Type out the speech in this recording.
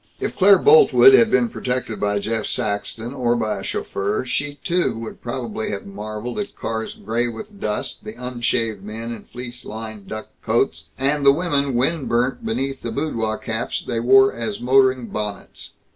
If Claire Boltwood had been protected by Jeff Saxton or by a chauffeur, she, too, would probably have marveled at cars gray with dust, the unshaved men in fleece lined duck coats, and the women wind burnt beneath the boudoir caps they wore as motoring bonnets.